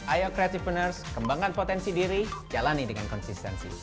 ayo creative pners kembangkan potensi diri jalani dengan konsistensi